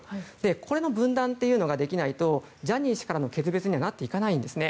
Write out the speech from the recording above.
これに分断というのができないとジャニー氏からの決別にはなっていかないんですね。